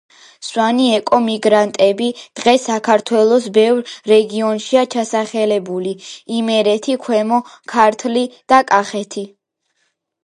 სვანი ეკომიგრანტები დღეს საქართველოს ბევრ რეგიონშია ჩასახლებული: იმერეთი, ქვემო ქართლი, კახეთი.